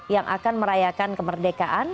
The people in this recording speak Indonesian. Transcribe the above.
yang akan merayakan kemerdekaan